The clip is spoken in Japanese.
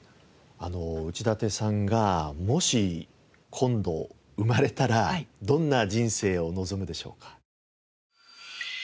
内館さんがもし今度生まれたらどんな人生を望むでしょうか？